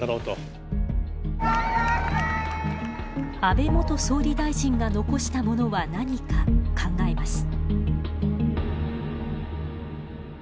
安倍元総理大臣が残したものは何か、考えます。